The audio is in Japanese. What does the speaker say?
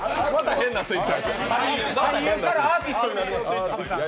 俳優からアーティストになりました。